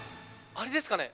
あれですかね。